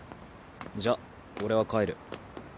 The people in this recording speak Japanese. じゃ俺は帰る。